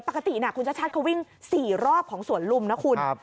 ปกติคุณชัดเขาวิ่ง๔รอบของสวนลุมนะคุณ